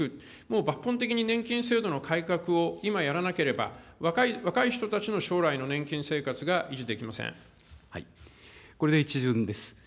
抜本的に年金制度の改革を今やらなければ、若い人たちの将来の年これで一巡です。